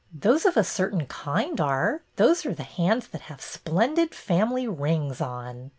'' Those of a certain kind are. Those are the hands that have splendid family rings on."